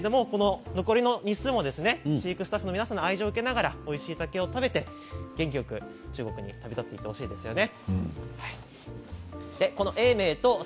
残りの日数も飼育スタッフの皆さんの愛情を受けながらおいしい竹を食べながら元気に丈夫に旅立っていってほしいと思います。